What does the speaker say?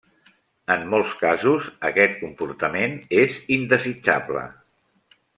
En molts casos, aquest comportament és indesitjable.